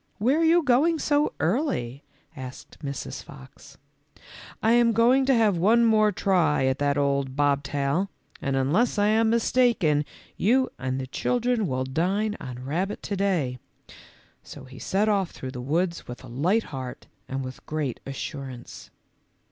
"Where are you going so early?" asked Mrs. Fox. M I am going to have one more try at that old bobtai], and unless I am mistaken you and the children will dine on rabbit to day ;" so he set off through the woods with a light heart and with great assurance.